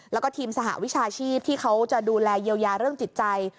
แล้วก็ทีมสหวิชาชีพที่เขาจะดูแลเยียวยาเรื่องจิตใจ